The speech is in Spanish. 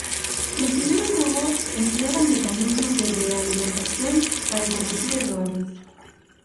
Los primeros robots empleaban mecanismos de realimentación para corregir errores.